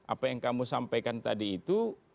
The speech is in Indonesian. apa yang kamu sampaikan tadi itu